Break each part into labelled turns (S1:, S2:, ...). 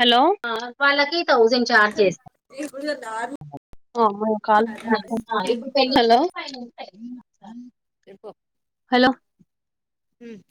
S1: Hello ఆ వాలకి thousand charge చేస్త
S2: ఇప్పుడు నార్
S1: హలో
S2: చెప్పు
S1: హలో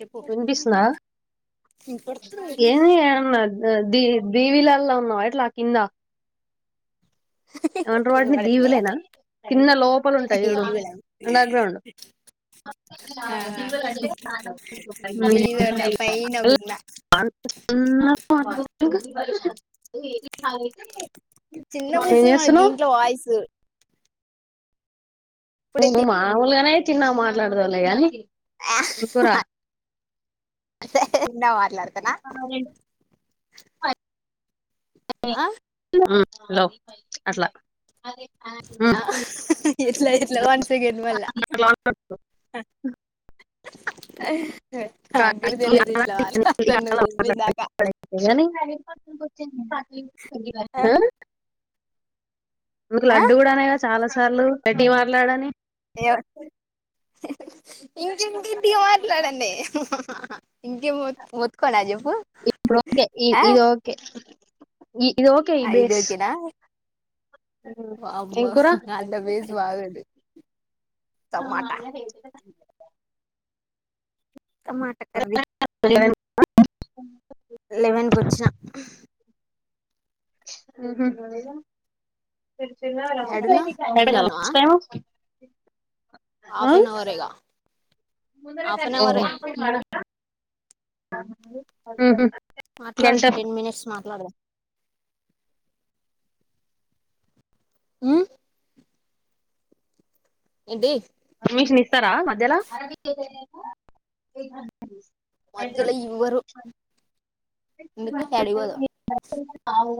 S2: చెప్పు
S1: వినిపిస్తుంద ఏమియానా దది దివిలాల్లా ఉన్నావా అట్లా కింద ఏం అంటరు వాడిని
S2: వినపడట్లే
S1: దీవులేనా కింద లోపలు ఉంటాయి చూడు
S2: ఏంది కూడా
S1: అండర్ గ్రౌండ్
S2: మీద ఉన్న పైన ఉన్న చిన్న
S1: ఏ
S2: వస్తుంది దీంట్లో వాయిసు
S1: మాములుగానే చిన్న మాట్లాడుతావులే గాని
S2: ఆ
S1: కూర
S2: చిన్నగా మాట్లాడుతన
S1: [unintelligible] హలో అట్లా అ
S2: ఎట్లా ఎట్లా వన్ సెకండ్ మళ్ళా
S1: అట్లా
S2: నాకు కూడా తెలీదు ఇట్లా మాట్లాడతాను నువ్వు చెప్పేదాకా ఆ
S1: [unintelligible] అందుకు
S2: ఆ
S1: లడ్డు కూడా అనే కదా చాలా సార్లు గట్టిగ మాట్లాడని
S2: ఏవ ఇంకేంతి గట్టిగ మాట్లాడన్నే హా ఇంకేం మోత్ మోత్కోనా చెప్పు
S1: ఇప్పుడోకే ఇది
S2: ఆ
S1: ఓకే ఈ ఇది ఓకే ఈ
S2: ఇది
S1: బేస్
S2: ఓకేనా
S1: ఏమ్
S2: వామ్మో
S1: కూర
S2: అంత బేస్ బాగోదు టమాటా టమాటా కర్రీ లెవెన్ కూ వచ్చిన
S1: ఆ
S2: యాడున్నావ్ ఇన్నే ఉన్నావా
S1: హలోస్త
S2: హాఫ్ అన్ అవర్గా
S1: [unintelligible]
S2: హాఫ్ అన్ అవరే
S1: ఆ అ
S2: మాట్లాడు టెన్ మినిట్స్ మాట్లాడదాం ఆ ఏంది
S1: పర్మిషన్ ఇస్తారా మధ్యలో
S2: మధ్యలో ఇవ్వరు మీ త మీడిపోద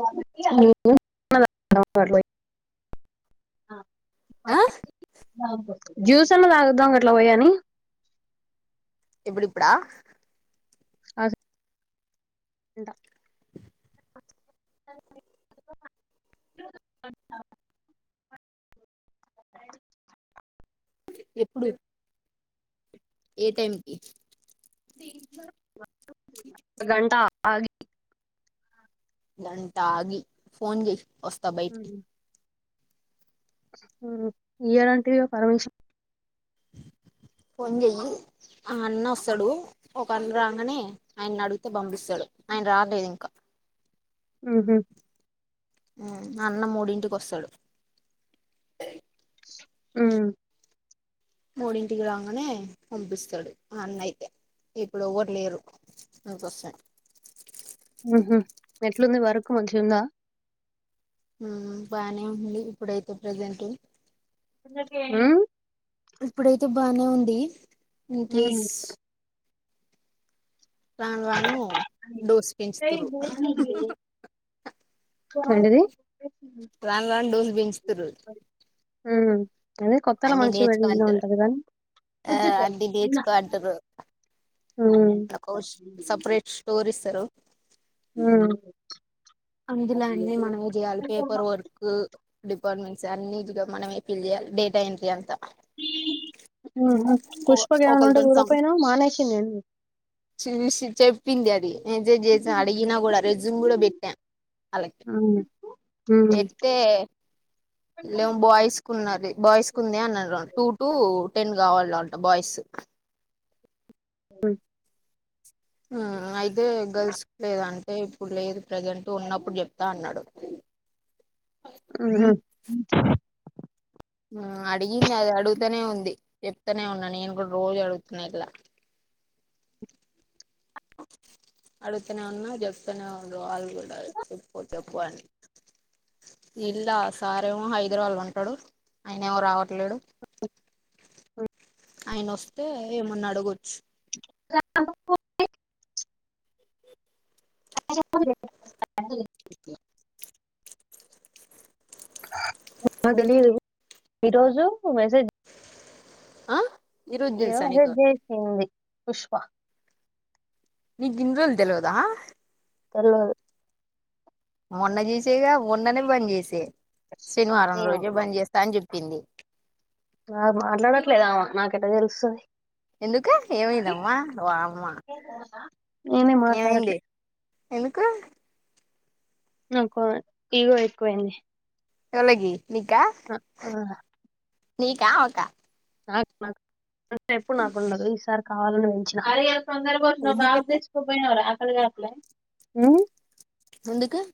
S1: [unintelligible]
S2: ఆ
S1: జ్యూస్ అన్నా తాగుద్దాం అట్లా పోయని
S2: ఎప్పుడిప్పుడా
S1: అదింట [unintelligible]
S2: ఎప్పుడు ఏ టైంకిి
S1: గంట ఆగి
S2: గంటగి ఆగి ఫోన్ చెయ్ వస్త బైటికీ
S1: ఇయ్యారంటివి పర్మిషన్
S2: పోన్ చెయ్యి ఆ అన్న వస్తాడు ఒక అన్న రాగానే ఆయన్ని అడిగితే పంపిస్తాడు ఆయన రాలేదు ఇంకా
S1: ఆహా
S2: అన్న మూడింటికోస్తాడు
S1: ఆ
S2: మూడింటికి రాగానే పంపిస్తాడు అన్న అయితే ఇప్పుడు ఓవరు లేరు నాకొస్తే
S1: ఏట్లుంది వర్కు మంచిగుందా
S2: బానే ఉంది ఇప్పుడైతే ప్రజెంట్
S1: ఉ
S2: ఇప్పుడైతే బానే ఉంది ఇన్
S1: మ్మ్.
S2: కేస్ రాను రాను డోస్ పెంచుతారు
S1: ఏంటిది
S2: రాను రాను డోస్ పెంచుతారు
S1: హ అదే కొత్తలా మంచి వడి
S2: నేర్చుకో అంటారు
S1: ఉంటది కానీ
S2: ఆ అన్ని నేర్చుకో అంటారు
S1: ఉమ్
S2: సపరేట్ స్టోరీ ఇస్తారు
S1: హ
S2: అందులాన్నీ మనమే చేయాలి పేపర్ వర్క్ డిపార్ట్మెంట్స్ అన్నిగా మనమే ఫిల్ చేయాలి డేటా ఎంట్రీ అంతా
S1: పుష్పక ఏమైనా ఉంటే
S2: ఒకరితో
S1: చూడపోయినా మానేసిందిండి
S2: చెప్పినది మెసేజ్ చేసిన అడిగిన కూడాడ రెజుమ్ కూడా బట్టి
S1: అ
S2: లేం బాయ్స్ కు ఉన్నారు బాయ్స్ కు ఉందే అన్నారు టూ టు టెన్ కావాల అంట బాయ్స్
S1: ఆ
S2: అయితే గర్ల్స్ లేదాంటే ఇప్పుడు లేదు ప్రజెంట్ ఉన్నప్పుడు చెప్తా అన్నాడు
S1: అ
S2: అడిగింది అది అడుగుతనే ఉంది చెప్తూనే ఉన్నా నేను కూడా రోజు అడుగుతున్నా ఇట్లా అడుగుతనే ఉన్నా జప్తనే ఉండు అల్ చూడాలి పో చెప్పుండి ఇల్లా సారేమో హైదరాబాద్ లో ఉంటాడు ఆయన ఏమో రావట్లేడు ఆయన వస్తే ఏమన్నా అడగచ్చు
S1: ఆ ఆ తెలియదు ఈరోజు మెసేజ్
S2: ఆ ఈరోజు
S1: ఈ
S2: తెలుసా
S1: రోజు
S2: నీకు
S1: మెసేజ్ చేసింది పుష్ప
S2: నీక్ గింరోజులు తెల్వదా
S1: తెల్వదు
S2: మొన్న చేసేగా ఉొన్ననే చెప్పింది
S1: నా మాట్లాడట్లేదామా నాకెట్ట తెలుస్తది
S2: ఎందుకె ఏమైందమ్మా వాఅమ్మా
S1: నేనే
S2: ఏమైంది
S1: మాట్లాడట్లే
S2: ఎందుకు
S1: నాకు ఇగో ఎక్కువైంది
S2: ఎలాగి నీకా
S1: నా- ఆ,
S2: నీకా అమక
S1: నాక్ నాకు ఎప్పుడు నాకు ఉండదు ఈసారి కావాలని పెంచిన అరే తొందరగా వచ్చినావ్ బాగా
S2: ఎందుకట్లా
S1: తెచ్చుకోక పోయనవ్ రా అడగాలా హు
S2: ముందుకు
S1: [unintelligible]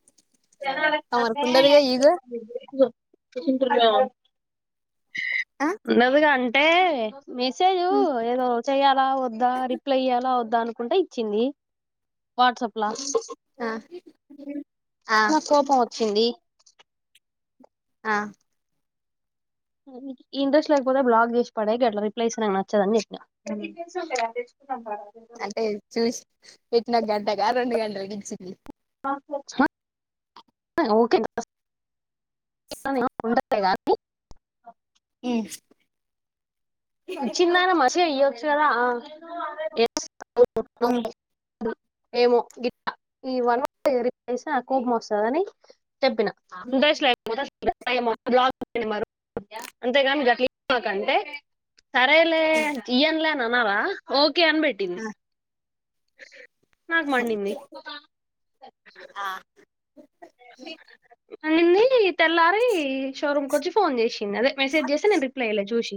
S1: చ
S2: ఈగో
S1: [unintelligible]
S2: ఆ
S1: వున్నదిగా అ పే మెసేజ్ ఏదో చెయ్యాలా వద్దా రిప్లై ఇయ్యాలా వద్దా అను అనుకుంటా ఇచ్చింది. వాట్సాప్ లా
S2: ఆ
S1: నా కోపం వచ్చింది.
S2: ఆ
S1: ఇంట్రెస్ట్ లేకపోతే బ్లాగ్ చేసి పడే అట్లా రిప్లైస్ నాకు నచ్చదని చెప్పిన
S2: అంటే చూసి పెట్టిన గ గంట రెండుగంటలకు గిచ్చింది
S1: ఓకే [unintelligible] అంతేగా
S2: హు
S1: ఇచ్చిందన మంచుగా ఇయ్యాచు కదా ఆ [unintelligible] ఏమో ఈ వన్ వార్డ్ కి కోపం వస్తుందని చెప్పిన ఇంట్రెస్ట్ లేకపోతే బ్లాక్ చేయమను అంతేగాని గట్లా చేయమాకు అంటే సరేలే ఇయన్లే అనాలా ఒకే ఒకే అనిబెట్టింది. యాస్ యే నాకు మండింది ఓ అనింది తెల్లారి షోరూంకి వచ్చి ఫోన్ చేసింది. అదే మెసేజ్ చేస్తే నేను రిప్లై ఈలే చూసి,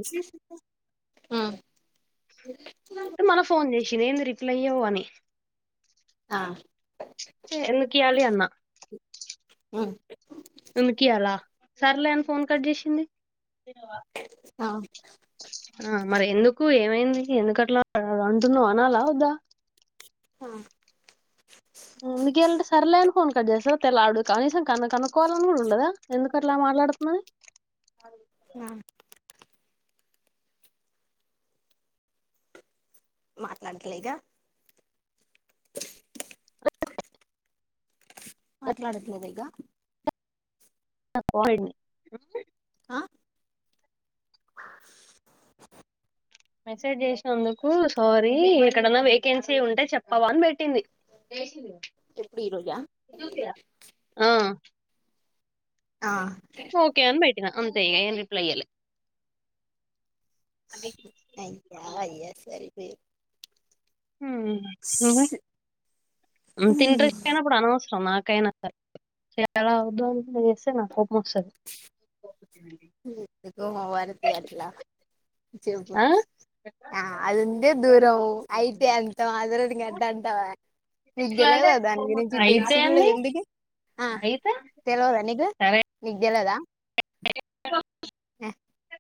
S1: ఐతే మళ్ళ ఫోన్ చేసింది. ఇచ్చింది రిప్లై ఈయవు అని
S2: ఆ
S1: ఎందుకియాలి అన్న
S2: మ్మ్
S1: ఎందుకియాలా సర్లే అని ఫోన్ కట్ చేసింది ఆ మరి ఎందుకు ఏమైంది ఎందుకట్లా అంటున్నావు అనాలా వద్దా
S2: ఆ
S1: ఎందుకియ్యాల అంటే సర్లే అని ఫోన్ కట్ చేస్తాదా తెలియదు కనీసం కనుక్కోవాలని కూడా ఉండదా ఎందుకు అట్లా మాట్లాడుతుందని
S2: ఆ మాట్లాడట్లేదా మాట్లాడట్లేదా ఇగ
S1: న పోయింది
S2: ఆ
S1: మెసేజ్ చేసినందుకు సోరీ ఎక్కడన్నా వేకెన్సీ ఉంటే చెప్పవా అని పెట్టిం
S2: ఎప్పుడు ఈ రోజా
S1: పెట్టింది ఆ ఓకే అని పెట్టా అంతే ఇగ ఏం రిప్లై ఈయలే
S2: అయ్యో అయితే సరే రే
S1: మ్మ్ మరి అంత ఇంట్రెస్ట్ ఐనా అనవసరం నాకైనా సరే చేయాలా వద్దా అని ఇట్లా చేస్తే నాకు కోపం వస్తది
S2: మ్మ్ ఏదొ ఒకరితో అట్లా చెప్పు
S1: ఆ?
S2: అదుందే దూరము అయితే అంతా దూరముందని అంత అంటావా నీకు తెలియదా దాని గురించి
S1: అయితే
S2: తెలిసి కూడా
S1: అండి
S2: ఎందుకు ఆ
S1: అయితే
S2: తెలవదా నీకు నీకు తెలవదా ఆ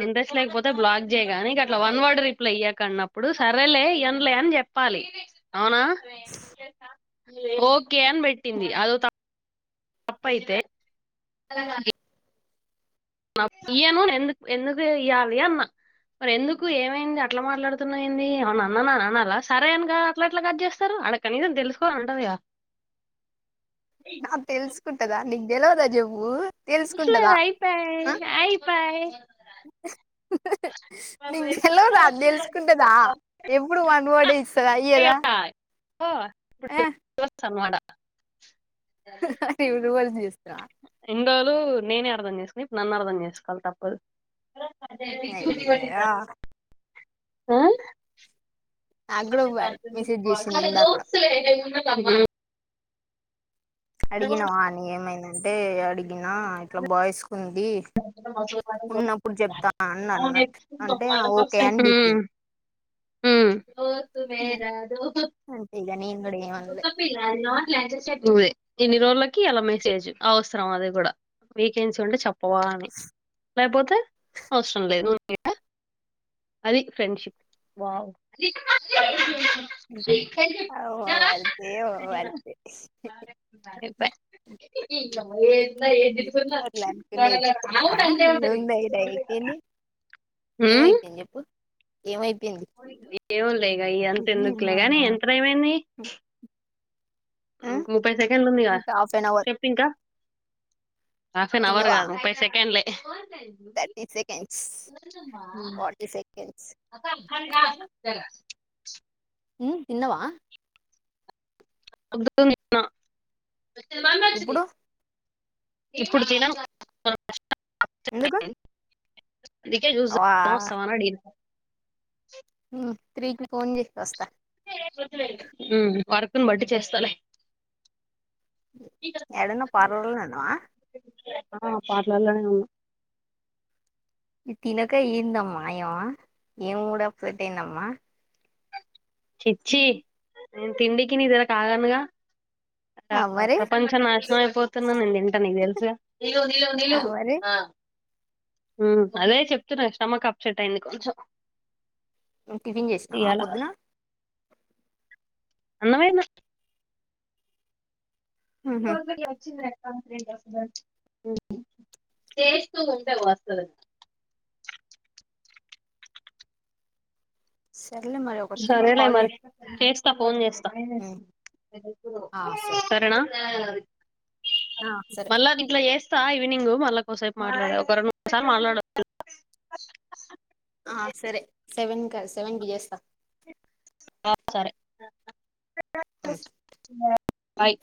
S1: ఇంట్రెస్ట్ లేకపోతే బ్లాక్ చెయ్యి గానీ ట్లా వన్ వన్ రిప్లై ఇయ్యకు కన్నప్పుడు సరేలే ఇయలే అని చెప్పాలి అవునా ఓకే అని పెట్టింది అదో తప్పయితే ఇయ్యను ఎందుకు ఎందుకు ఇయ్యాలి అన్న మరి ఎందుకు ఏమైంది అట్లా మాట్లాడుతున్నావెంది ఏమన్నా అనరా సరే అనగా అట్లా అట్లా కట్ చేస్తారు అడ కనీసం తెలుసుకోవాలి అని ఉంటది కాదా
S2: నాకు తెలుసుకుంటదా తెెలవదా జేంగు
S1: అసలు
S2: తెలుసుకుంటదా
S1: అయిపోయి
S2: అ.
S1: అయిపోయి
S2: తెెలవదా తెలుసుకుంటదా ఎప్పుడు వన్ వర్డ్ ఏ ఇస్తదా ఈయధ
S1: ఓ అనమాట
S2: హహ ఇడుంవల్ జ్యూస్
S1: ఇన్ని రోజులు నేనే అర్థం చేసుకున్న ఇప్పుడు నన్ను అర్థం చేసుకోవాలి తప్పదు ఇంది
S2: అయ్యయ్యో నాకు
S1: ఆ
S2: కూడా మెసేజ్ చేసింది ఇందాకడ
S1: [unintelligible]
S2: అడిగిన ఆని ఏమైనా అంటే అడిగినా అట్లా బాయ్సకు. ఉంది అన్నారు అంటే ఓకే అని పెట్టింది
S1: హు ల దోస్త్ మేరా దోస్త్
S2: అంతే ఇక నేను కూడా ఏమనలే
S1: ఎన్ని రోజులకి ఇలా మెసేజ్ అవసరం అది కూడా వేకెన్సీ ఉంటే చెప్పవా అని లేకపోతే అవసరం లేదు అది ఫ్రెండ్షిప్ వావ్
S2: వరితే వరితే
S1: ఏందే వెతుకుతున్న
S2: అట్లా
S1: లడ
S2: అనుకోలేదు
S1: లడ
S2: ఆ ఏముంది ఇడ అయిపోయింది ఏమైపోయింది చెప్పు ఏమైతే పే
S1: ఏవొలే యైఅంత ఎందుకులే గాని యంత్రం ఏమైంది ఇ ముప్పై సెకండ్లు ఉంది క
S2: ఇంకా హాఫ్ అన్ అవర్
S1: చెప్పంకా హాఫ్ అన్ అవర్
S2: తిన్నవా
S1: కాదు ముప్పై సెకండ్లే ఎ
S2: థర్టీ సెకండ్స్ ఫాటీ సెకండ్స్
S1: అ
S2: ఉ తిన్నవా
S1: అబ్ వచ్చావ మేసిరి
S2: ఇప్పుడు
S1: ఇప్పుడు తిన
S2: ఎందుకు
S1: అందుకే చూ
S2: వా
S1: వస్తావా అని అడిగిన
S2: త్రీకి ఫోన్ చేయ్ వస్తా
S1: వర్క్ ని బట్టి చేస్తాలే
S2: ఎడున్నా పార్లల్లోనే ఉన్నవ
S1: ఆ పార్లర్లోనే ఉన్నా
S2: తినకా ఎందమ్మ ఏం మూడ్ ఆఫ్ పట్టిందమ్మా
S1: చిచ్చి నేను తిండికి నీదలా కాగనగా
S2: అవ్వరే
S1: ప్రపంచ నాశనం అయిపోతుం ఏమైనా నేను తింటా నీకు తెలుసుగా నీలు నీలు నీలు
S2: అవ్వరే
S1: అ హ్మ్ అదే చెప్తున్నా స్టమక్ అప్సెట్ అయింది కొంచెం
S2: టిఫిన్ చేసినావ
S1: ఇయ్యాల
S2: పొద్దున
S1: అన్నమయినా ఈ
S2: ఉహు
S1: రోజుకి వచ్చింది ర టేస్ట్ ఉండదు అసలు
S2: సర్లే మరి ఒక త్రీ
S1: సరేల
S2: కాల్
S1: మరి
S2: చేయి
S1: చెస్ త ఫోన్ చేస
S2: ఉమ్. ఆ సరే
S1: సరణ సారీ
S2: ఆ సరే
S1: మళ్లా గెట్టలా చేస్ తా ఈవినింగ్ మళ్ళా కోసేపు మాట్లాడ ఒక రెండు మూడు సార్లు మాట్లాడచ్చ
S2: ఆ సరే సెవెన్ కస్ సెవెన్‌కి చేస్తా
S1: స సరే
S2: ఉమ్.
S1: హయి